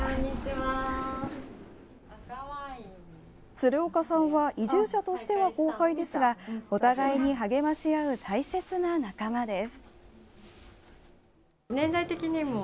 鶴岡さんは移住者としては後輩ですがお互いに励まし合う大切な仲間です。